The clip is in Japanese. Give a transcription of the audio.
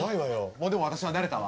もうでも私は慣れたわ。